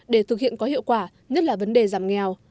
để thực hiện có hiệu quả nhất là vấn đề giảm nghèo